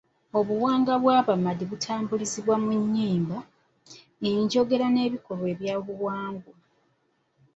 Obuwangwa bw'Abamadi butambulizibwa mu nnyimba, enjogera n'ebikolwa by'obuwangwa.